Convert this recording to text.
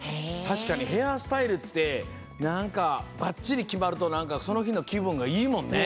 たしかにヘアスタイルってなんかバッチリきまるとなんかそのひのきぶんがいいもんね。